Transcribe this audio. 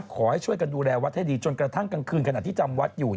ขอให้ช่วยกันดูแลวัดให้ดีจนกระทั่งกลางคืนขณะที่จำวัดอยู่